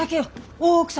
大奥様。